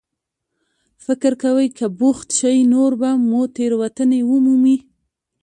فکر کوئ که بوخت شئ، نور به مو تېروتنې ومومي.